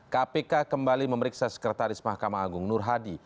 kpk kembali memeriksa sekretaris mahkamah agung nur hadi